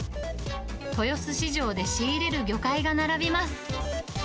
豊洲市場で仕入れる魚介が並びます。